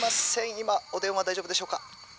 今お電話大丈夫でしょうか？」。